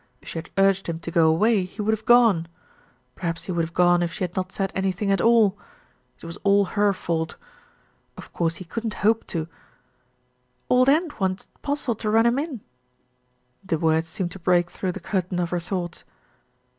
If she had urged him to go away, he would have gone. Perhaps he would have gone if she had not said anything at all. It was all her fault. Of course he couldn't hope to "Old End wanted Postle to run him in." The words seemed to break through the curtain of her thoughts.